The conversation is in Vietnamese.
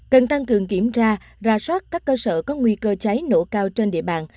cần tăng cường kiểm tra ra soát các cơ sở có nguy cơ cháy nổ cao trên địa bàn